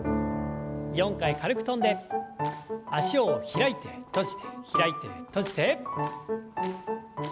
４回軽く跳んで脚を開いて閉じて開いて閉じて。